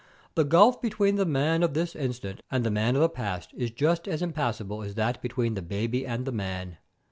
The gulf between the man of this instant and the man of the last is just as impassable as that between the baby and the man.